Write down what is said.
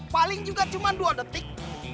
paling juga cuma dua detik